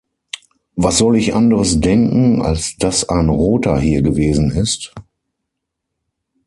Was soll ich anderes denken, als dass ein Roter hier gewesen ist?